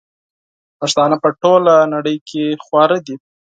پښتانه په ټوله نړئ کي خواره دي